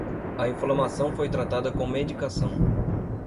A inflamação foi tratada com medicação